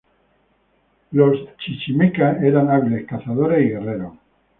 Los chichimeca eran hábiles cazadores y guerreros.